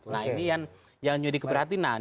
nah ini yang jadi keprihatinan